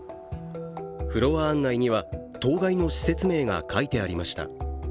フロア案内には、当該の施設名が書いてありました。